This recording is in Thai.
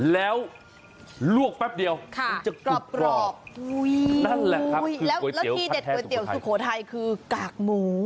แล้วลวกแป๊บเดียวมันจะกรอบนั่นแหละครับแล้วที่เด็ดก๋วยเตี๋ยวสุโขทัยคือกากหมู